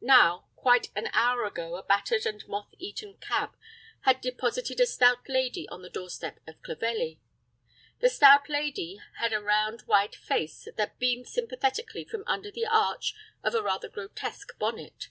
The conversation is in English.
Now, quite an hour ago a battered and moth eaten cab had deposited a stout lady on the doorstep of Clovelly. The stout lady had a round white face that beamed sympathetically from under the arch of a rather grotesque bonnet.